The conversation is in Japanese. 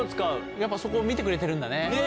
やっぱそこ見てくれてるんだね。